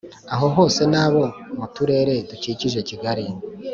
aho hose n abo mu turere dukikije Kigali